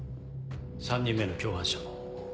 ３人目の共犯者。